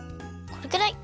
このくらい。